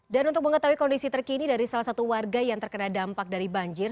dan untuk mengetahui kondisi terkini dari salah satu warga yang terkena dampak dari banjir